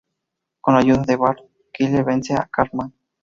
Con la ayuda de Bart, Kyle vence a Cartman.